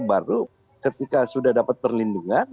baru ketika sudah dapat perlindungan